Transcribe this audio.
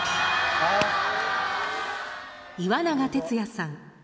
岩永徹也さん